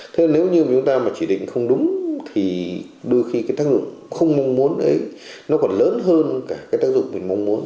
thế nếu như chúng ta mà chỉ định không đúng thì đôi khi cái tác dụng không mong muốn đấy nó còn lớn hơn cả cái tác dụng mình mong muốn